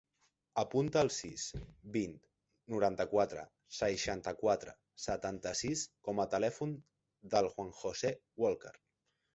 Apunta el sis, vint, noranta-quatre, seixanta-quatre, setanta-sis com a telèfon del Juan josé Walker.